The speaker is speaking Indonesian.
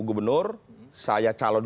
gubernur saya calon